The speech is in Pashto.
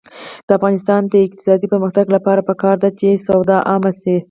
د افغانستان د اقتصادي پرمختګ لپاره پکار ده چې سواد عام شي.